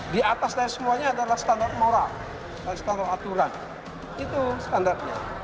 di atas dari semuanya adalah standar moral standar aturan itu standarnya